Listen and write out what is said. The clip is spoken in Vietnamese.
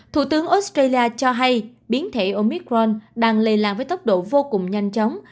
thủ tướng australia cho hay biến thể omicron đang lây lan với tốc độ vô cùng nhanh chóng